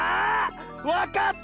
わかった！